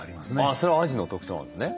それはアジの特徴なんですね。